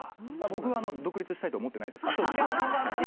僕は独立したいと思ってないです。